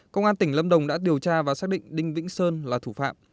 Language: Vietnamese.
công an tỉnh lâm đồng đã điều tra và xác định đinh vĩnh sơn là thủ phạm